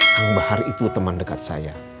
kang bahar itu teman dekat saya